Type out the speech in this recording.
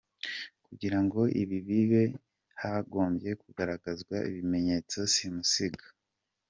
Kugirango ibi bibe, hagombye kugaragazwa ibimenyetso simusiga ko: